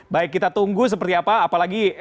baik kita tunggu seperti apa apalagi